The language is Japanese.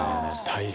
「大変！」